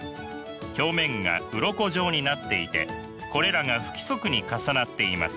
表面がうろこ状になっていてこれらが不規則に重なっています。